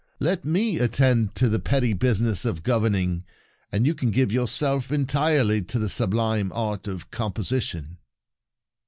Let me attend to the petty business of govern ing, and you can give yourself entirely to the sublime art of composition."